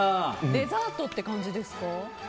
デザートっていう感じですか？